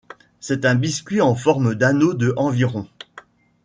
C'est un biscuit en forme d'anneau de environ.